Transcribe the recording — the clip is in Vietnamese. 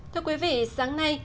thưa quý vị sáng nay